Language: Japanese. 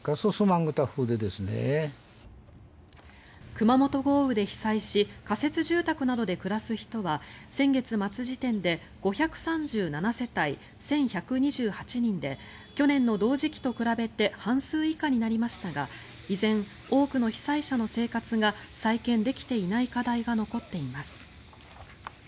熊本豪雨で被災し仮設住宅などで暮らす人は先月末時点で５３７世帯１１２８人で去年の同時期と比べて半数以下になりましたが依然、多くの被災者の生活が再建できていない課題が残っています。